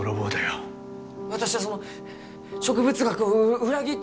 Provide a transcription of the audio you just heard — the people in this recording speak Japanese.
私はその植物学を裏切っては。